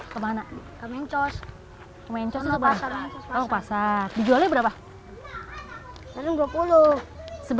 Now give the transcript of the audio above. seberapa sebenarnya dua puluh ribu